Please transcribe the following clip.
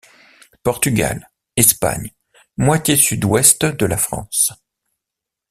Portugal, Espagne, moitié sud-ouest de la France.